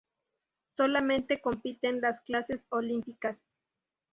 Solamente compiten las clases olímpicas.